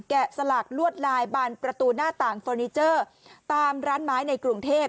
สลักลวดลายบานประตูหน้าต่างเฟอร์นิเจอร์ตามร้านไม้ในกรุงเทพ